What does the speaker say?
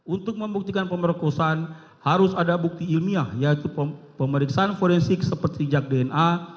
untuk membuktikan pemerkosaan harus ada bukti ilmiah yaitu pemeriksaan forensik seperti jak dna